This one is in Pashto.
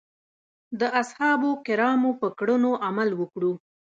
د اصحابو کرامو په کړنو عمل وکړو.